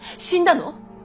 死んだの？